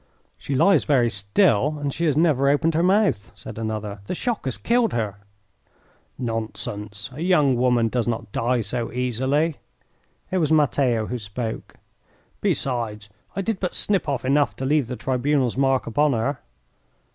"She lies very still and she has never opened her mouth," said another. "The shock has killed her." "Nonsense; a young woman does not die so easily." It was Matteo who spoke. "Besides, I did but snip off enough to leave the tribunal's mark upon her.